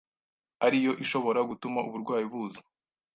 ari yo ishobora gutuma uburwayi buza.